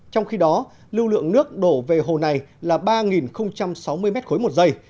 trong khi đó lưu lượng nước đổ về hồ này là ba sáu mươi m ba một giây